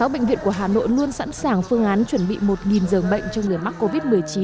sáu bệnh viện của hà nội luôn sẵn sàng phương án chuẩn bị một dường bệnh cho người mắc covid một mươi chín